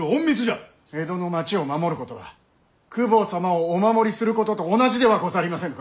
江戸の町を守ることは公方様をお守りすることと同じではござりませぬか。